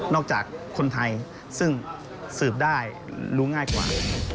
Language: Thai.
จากคนไทยซึ่งสืบได้รู้ง่ายกว่า